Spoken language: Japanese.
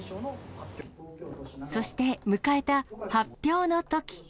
そして、迎えた発表の時。